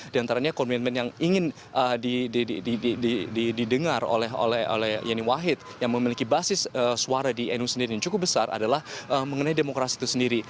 dan antaranya komitmen yang ingin didengar oleh yeni wakid yang memiliki basis suara di nu sendiri yang cukup besar adalah mengenai demokrasi itu sendiri